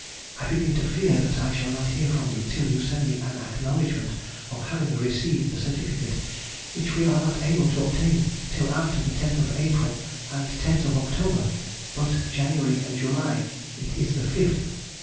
I begin to fear that I shall not hear from you till you send me an acknowledgment of having received the certificate, which we are not able to obtain till after the 10th of April and 10th of October, but January and July it is the 5th.